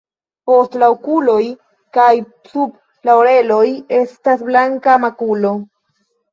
Post la okuloj kaj sub la oreloj estas blanka makulo.